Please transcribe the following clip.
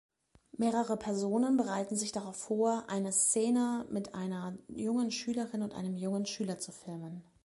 Mehrere Personen bereiten sich darauf vor, eine Szene mit einer jungen Schülerin und einem jungen Schüler zu filmen.